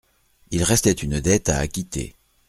Il restait une dette à acquitter.